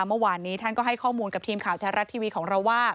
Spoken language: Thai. เมื่อวานนี้ท่านก็ให้ข้อมูลกับทีมข่าวแท้รัฐทีวีของเราว่า